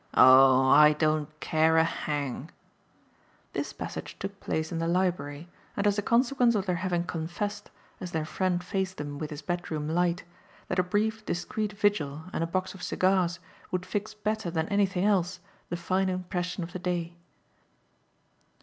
"Oh I don't care a hang!" This passage took place in the library and as a consequence of their having confessed, as their friend faced them with his bedroom light, that a brief discreet vigil and a box of cigars would fix better than anything else the fine impression of the day.